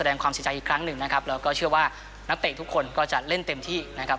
นักเตะทุกคนก็จะเล่นเต็มที่นะครับ